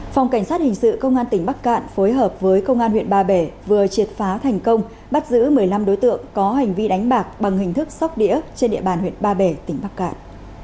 phòng cảnh sát hình sự công an tỉnh bắc cạn phối hợp với công an huyện ba bể vừa triệt phá thành công bắt giữ một mươi năm đối tượng có hành vi đánh bạc bằng hình thức sóc đĩa trên địa bàn huyện ba bể tỉnh bắc cạn